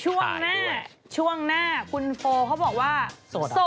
ช่วงหน้าช่วงหน้าคุณโฟเขาบอกว่าโสด